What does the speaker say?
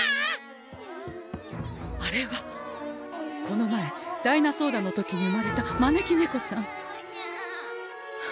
この前ダイナソーダの時に生まれた招き猫さん！